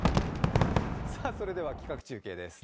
それでは企画中継です。